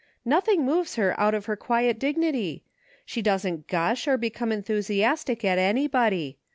" Nothing moves her out of her quiet dignity. She doesn't gush or be come enthusiastic at anybody.